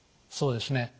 そうですね。